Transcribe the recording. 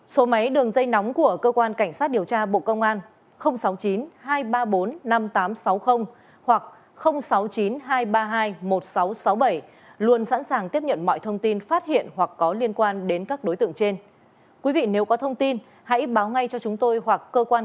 số máy đường dây nóng của cơ quan cảnh sát điều tra bộ công an